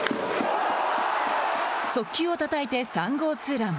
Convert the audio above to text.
速球をたたいて３号ツーラン。